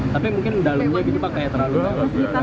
tapi mungkin dalemnya gitu pak kayak terlalu